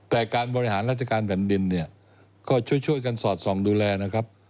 แต่การบริหารราชการแผ่นดินเนี่ยก็ช่วยกันสอดส่องดูแลนะครับ